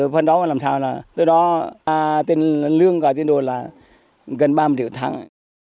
phần đó làm sao là từ đó tiền lương và tiền đồ là gần ba mươi triệu tháng